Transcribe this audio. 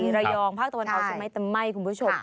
ระยองภาคตะวันออกใช่ไหมแต่ไหม้คุณผู้ชม